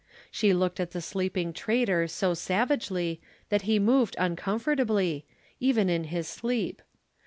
She looked at the sleeping traitor so savagely that he moved uncomfortably, even in his sleep.